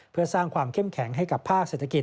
เพื่อสร้างความเข้มแข็งให้กับภาคเศรษฐกิจ